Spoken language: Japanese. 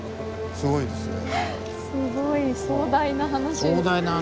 すごい壮大な話。